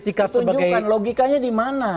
tunjukkan logikanya di mana